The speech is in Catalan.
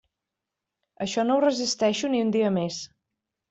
Això no ho resisteixo ni un dia més.